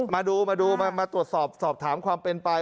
มาดูมาดูมาตรวจสอบสอบถามความเป็นไป